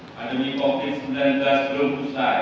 pandemi covid sembilan belas belum usai